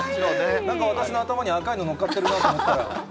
なんか私の頭に赤いの乗っかってるなと思ったら。